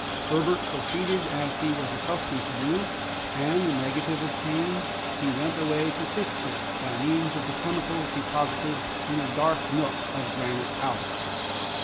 Herbert proceeded as he was accustomed to do, and the negative obtained, he went away to fix it by means of the chemicals deposited in a dark nook of Granite House.